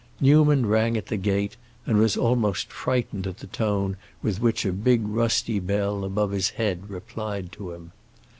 Newman rang at the gate, and was almost frightened at the tone with which a big rusty bell above his head replied to him.